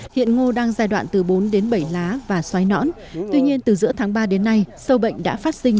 hiện ngô đang giai đoạn từ bốn đến bảy lá và xoáy nõn tuy nhiên từ giữa tháng ba đến nay sâu bệnh đã phát sinh